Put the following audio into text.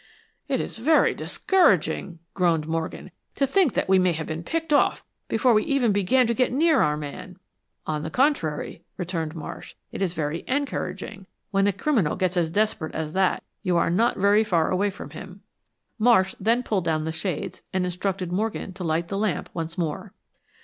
"It is very discouraging," groaned Morgan. "To think that we may be picked off before we've even began to get near our man." "On the contrary," returned Marsh, "it is very encouraging. When a criminal gets as desperate as that you are not very far away from him." Marsh then pulled down the shades and instructed Morgan to light the lamp once more.